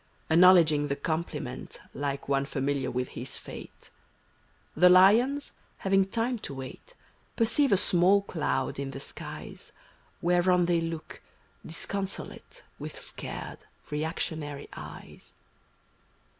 Acknowledging the compliment Like one familiar with his fate; The lions, having time to wait, Perceive a small cloud in the skies. Whereon they look, disconsolate. With scared, reactionary eyes.